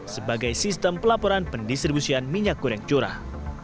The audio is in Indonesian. sebagai sistem pelaporan pendistribusian minyak goreng curah